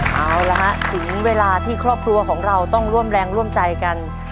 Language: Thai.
เอาละฮะถึงเวลาที่ครอบครัวของเราต้องร่วมแรงร่วมใจกัน